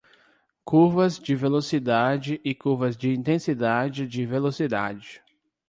Curvas de velocidade e curvas de intensidade de velocidade.